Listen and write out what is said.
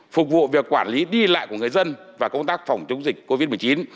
phục vụ việc quản lý đi lại của người dân và công tác phòng chống dịch covid một mươi chín